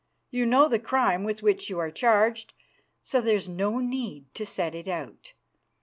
You know the crime with which you are charged, so there's no need to set it out.